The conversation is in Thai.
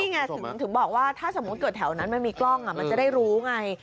ไงถึงบอกว่าถ้าสมมุติเกิดแถวนั้นมันมีกล้องมันจะได้รู้ไง